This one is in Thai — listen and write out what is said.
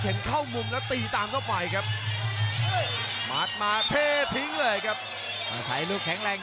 กองเชียงดาวใสลูกแข็งแรง